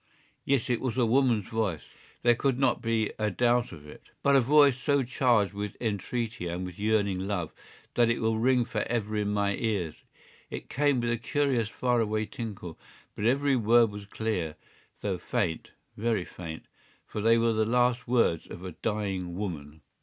Yes, it was a woman's voice; there could not be a doubt of it. But a voice so charged with entreaty and with yearning love, that it will ring for ever in my ears. It came with a curious faraway tinkle, but every word was clear, though faint—very faint, for they were the last words of a dying woman.